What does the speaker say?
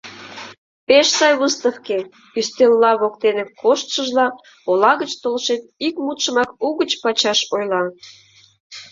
— Пеш сай выставке, — ӱстелла воктене коштшыжла, ола гыч толшет ик мутшымак угыч-пачаш ойла.